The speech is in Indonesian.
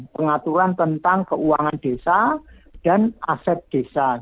pengaturan tentang keuangan desa dan aset desa